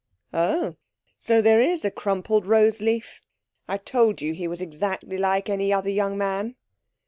'Oh, so there is a crumpled rose leaf! I told you he was exactly like any other young man.'